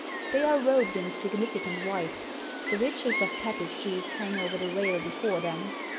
They are robed in significant white. The richest of tapestries hang over the rail before them.